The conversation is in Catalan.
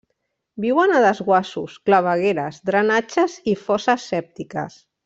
Viuen a desguassos, clavegueres, drenatges i fosses sèptiques.